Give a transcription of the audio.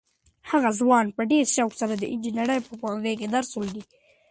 هغه ځوان په ډېر شوق سره د انجنیرۍ په پوهنځي کې درس لولي.